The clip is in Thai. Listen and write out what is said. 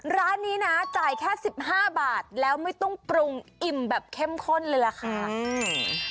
ร้านนี้นะจ่ายแค่สิบห้าบาทแล้วไม่ต้องปรุงอิ่มแบบเข้มข้นเลยล่ะค่ะอืม